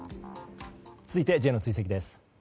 続いてＪの追跡です。